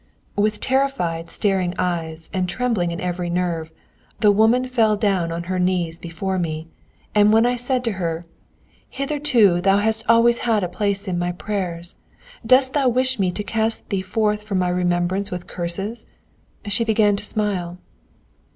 With terrified, staring eyes, and trembling in every nerve, the woman fell down on her knees before me, and when I said to her: "Hitherto thou hast always had a place in my prayers, dost thou wish me to cast thee forth from my remembrance with curses?" she began to smile.